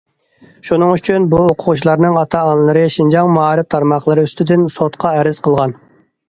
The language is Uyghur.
شۇنىڭ ئۈچۈن، بۇ ئوقۇغۇچىلارنىڭ ئاتا- ئانىلىرى شىنجاڭ مائارىپ تارماقلىرى ئۈستىدىن سوتقا ئەرز قىلغان.